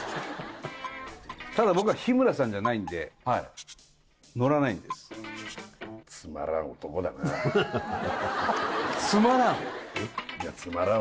ただ僕は日村さんじゃないんで乗らないんですつまらん？